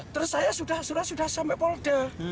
terus saya sudah sampai polda